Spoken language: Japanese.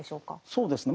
そうですね